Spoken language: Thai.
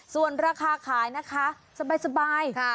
ส่วนราคาขายนะคะสบาย